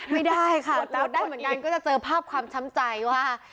ไม่ได้ค่ะจับได้เหมือนกันก็จะเจอภาพความช้ำใจว่า